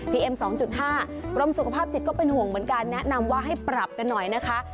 เอ็ม๒๕กรมสุขภาพจิตก็เป็นห่วงเหมือนกันแนะนำว่าให้ปรับกันหน่อยนะคะ